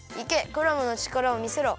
クラムのちからをみせろ。